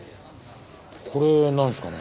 これなんですかね？